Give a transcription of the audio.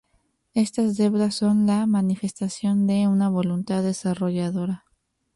Estas deudas son la manifestación de una voluntad desarrolladora.